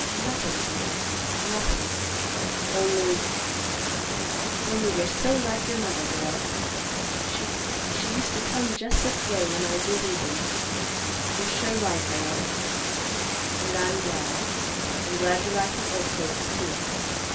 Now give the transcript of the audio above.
"Nothin', girl, nothin'. Only—only you're so like your mother, girl. She—she used to come just this way when I'd be leavin'. You're sure like her, and—and I'm glad. I'm glad you're like the old folks, too.